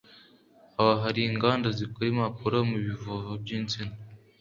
aho hari inganda zikora impapuro mu bivovo by’insina